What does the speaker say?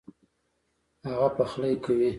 هغه پخلی کوي